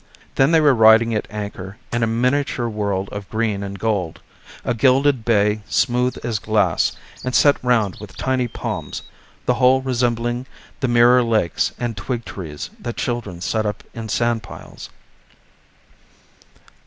Then they were riding at anchor in a miniature world of green and gold, a gilded bay smooth as glass and set round with tiny palms, the whole resembling the mirror lakes and twig trees that children set up in sand piles.